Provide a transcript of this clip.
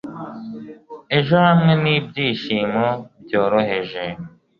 ejo, hamwe n'ibyishimo byoroheje